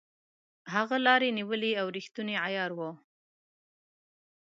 هغه لاري نیولې او ریښتونی عیار وو.